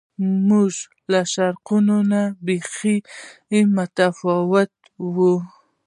له موږ شرقیانو نه بیخي متفاوت و.